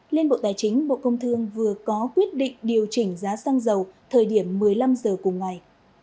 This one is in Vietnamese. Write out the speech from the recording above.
liên bộ tài chính bộ công thương vừa có quyết định điều chỉnh giá xăng dầu thời điểm một mươi năm h cùng ngày